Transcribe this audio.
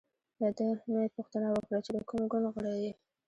له ده مې پوښتنه وکړه چې د کوم ګوند غړی یې.